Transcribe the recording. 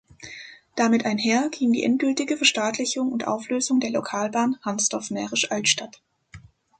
Damit einher ging die endgültige Verstaatlichung und Auflösung der Lokalbahn Hannsdorf–Mährisch Altstadt.